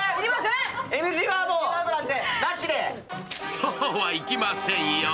そうはいきませんよ。